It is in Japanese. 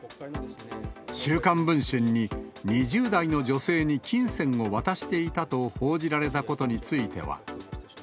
週刊文春に、２０代の女性に金銭を渡していたと報じられたことについては。